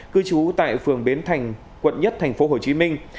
cư chú tại phường bến thành quận một thành phố hồ chí minh